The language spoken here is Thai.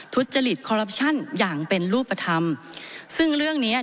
ทุจริตอย่างเป็นรูปธรรมซึ่งเรื่องนี้อ่ะ